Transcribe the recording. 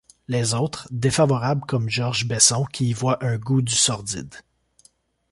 Les autres, défavorables comme George Besson qui y voit un goût du sordide.